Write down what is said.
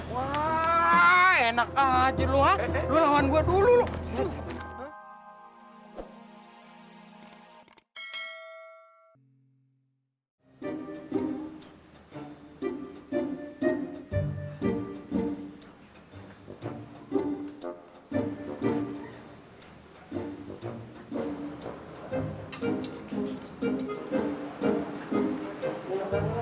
wah enak aja lo ha lo lawan gue dulu